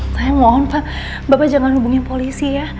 saya mohon pak bapak jangan hubungi polisi ya